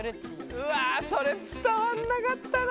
うわそれ伝わんなかったな。